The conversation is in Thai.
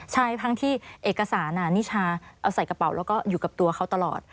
ใช่ทั้งที่เอกสารนิชาเอาใส่กระเป๋าแล้วก็อยู่กับตัวเขาตลอด